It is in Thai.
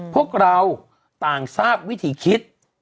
พวกเราต่างทราบวิถีคิด